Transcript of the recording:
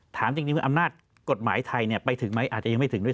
ถามจริงว่าอำนาจกฎหมายไทยไปถึงไหมอาจจะยังไม่ถึงด้วย